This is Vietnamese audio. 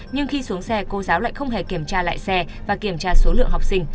nhưng khi xuống xe cô giáo lại không hề kiểm tra lại xe và kiểm tra số lượng học sinh